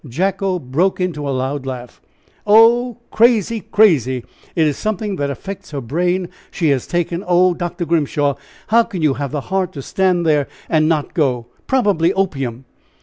Jacko broke into a loud laugh. "Oh! crazy! crazy! it is something that affects her brain she has taken. Oh! Dr. Grimshaw, how can you have the heart to stand there and not go? Probably opium."